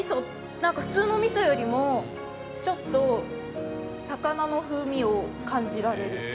なんか普通のみそよりもちょっと魚の風味を感じられる。